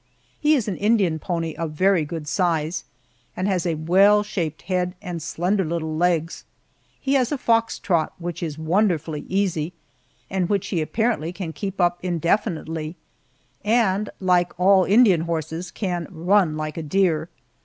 He is an Indian pony of very good size, and has a well shaped head and slender little legs. He has a fox trot, which is wonderfully easy, and which he apparently can keep up indefinitely, and like all Indian horses can "run like a deer."